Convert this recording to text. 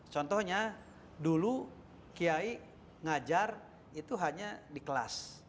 contohnya dulu kiai ngajar itu hanya di kelas